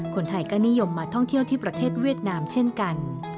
คนไทยก็นิยมมาท่องเที่ยวที่ประเทศเวียดนามเช่นกัน